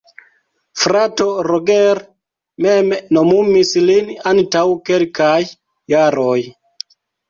Frato Roger mem nomumis lin antaŭ kelkaj jaroj.